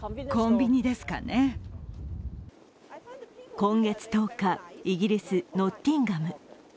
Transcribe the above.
今月１０日、イギリス・ノッティンガム。